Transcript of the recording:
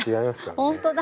ホントだ。